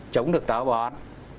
chống được táo bón